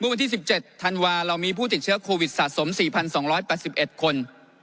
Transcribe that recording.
วันที่๑๗ธันวาเรามีผู้ติดเชื้อโควิดสะสม๔๒๘๑คน